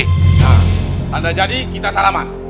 nah tanda jadi kita saraman